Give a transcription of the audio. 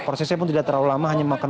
prosesnya pun tidak terlalu lama hanya makan